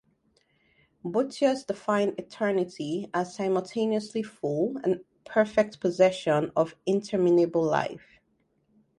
Boethius defined eternity as "simultaneously full and perfect possession of interminable life".